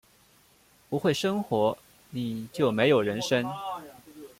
不会生活，你就没有人生